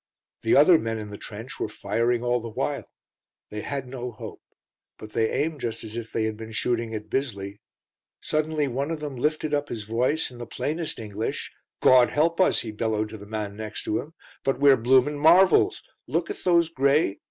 The other men in the trench were firing all the while. They had no hope; but they aimed just as if they had been shooting at Bisley. Suddenly one of them lifted up his voice in the plainest English, "Gawd help us!" he bellowed to the man next to him, "but we're blooming marvels! Look at those grey...